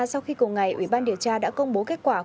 sau khi cùng ngày ủy ban điều tra đã công bố kết quả